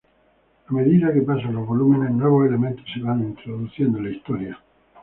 A medida que pasan los volúmenes nuevos elementos se van introduciendo en la historia.